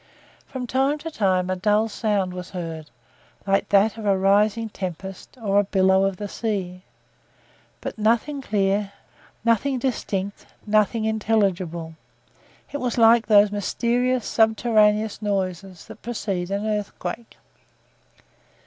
From time to time a dull sound was heard, like that of a rising tempest or a billow of the sea; but nothing clear, nothing distinct, nothing intelligible; it was like those mysterious subterraneous noises that precede an earthquake.